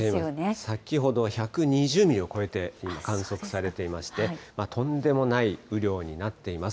先ほど１２０ミリを超えて、観測されていまして、とんでもない雨量になっています。